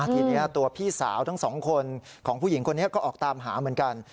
ทีนี้ตัวพี่สาวทั้งสองคนของผู้หญิงคนนี้ก็ออกตามหาเหมือนกัน